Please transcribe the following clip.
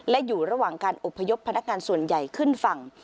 และอยู่ระหว่างการอบพยพพนักงานส่วนใหญ่ขึ้นฝั่ง